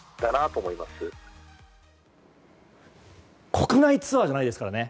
国内ツアーじゃないですからね。